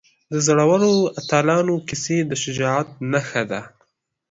د زړورو اتلانو کیسه د شجاعت نښه ده.